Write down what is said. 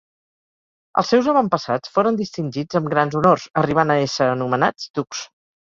Els seus avantpassats foren distingits amb grans honors, arribant a ésser anomenats ducs.